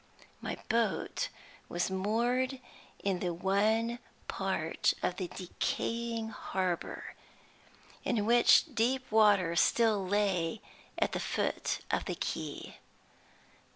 My boat was moored in the one part of the decaying harbor in which deep water still lay at the foot of the quay.